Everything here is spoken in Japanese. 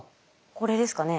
これですかね。